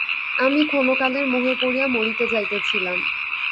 আমি ক্ষণকালের মোহে পড়িয়া মরিতে যাইতেছিলাম।